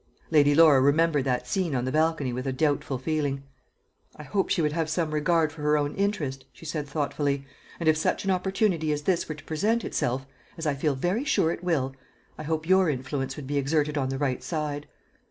Lady Laura remembered that scene on the balcony with a doubtful feeling. "I hope she would have some regard for her own interest," she said thoughtfully. "And if such an opportunity as this were to present itself as I feel very sure it will I hope your influence would be exerted on the right side."